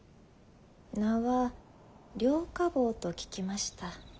名は両火房と聞きました。